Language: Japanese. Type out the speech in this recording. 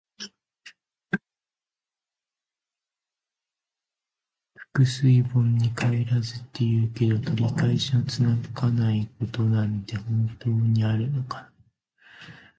「覆水盆に返らず」って言うけど、取り返しのつかないことなんて本当にあるのかな。